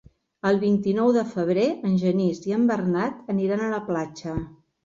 El vint-i-nou de febrer en Genís i en Bernat aniran a la platja.